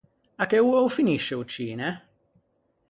À che oa o finisce o cine?